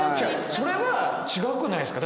それは違くないですか？